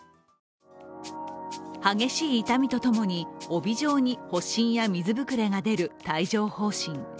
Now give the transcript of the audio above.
激しい痛みとともに帯状に発疹や水膨れが出る帯状疱疹。